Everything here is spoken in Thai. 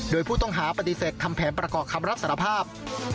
โดยผู้ต้องหาปฏิเสธทำแผนประกอบคำรับสารภาพ